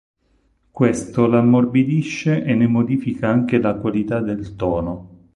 Questo l'ammorbidisce e ne modifica anche la qualità del tono.